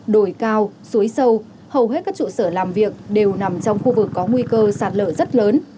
đồi cao suối sâu hầu hết các trụ sở làm việc đều nằm trong khu vực có nguy cơ sạt lở rất lớn